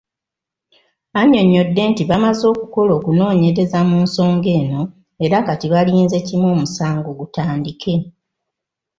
Annyonnyodde nti bamaze okukola okunoonyereza mu nsonga eno era kati balinze kimu omusango gutandike.